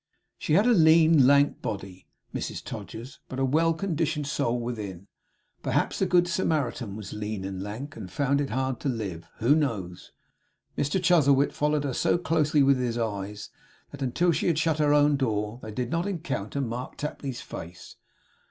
She had a lean, lank body, Mrs Todgers, but a well conditioned soul within. Perhaps the good Samaritan was lean and lank, and found it hard to live. Who knows! Mr Chuzzlewit followed her so closely with his eyes, that, until she had shut her own door, they did not encounter Mr Tapley's face.